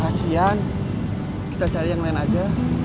kasian kita cari yang lain aja